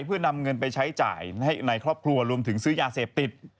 เพื่อนำเงินไปใช้จ่ายในครอบครัวรวมถึงซื้อยาเสพติด